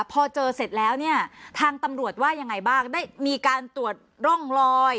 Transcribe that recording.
พอเจอเสร็จแล้วเนี่ยทางตำรวจว่ายังไงบ้างได้มีการตรวจร่องรอย